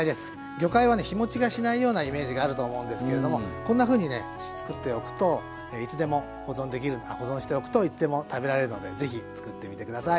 魚介はね日持ちがしないようなイメージがあると思うんですけれどもこんなふうにねつくっておくといつでも保存できるあっ保存しておくといつでも食べられるのでぜひつくってみて下さい。